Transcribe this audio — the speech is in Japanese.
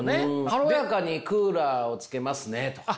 軽やかに「クーラーをつけますね」とか。